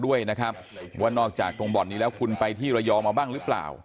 ด้วยนะครับว่านอกจากตรงบ่อนนี้แล้วคุณไปที่ระยะ